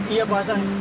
iya pak hasan